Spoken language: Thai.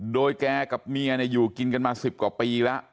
โดยแกกับเมียอยู่กินกันมา๑๐กว่าปีแล้ว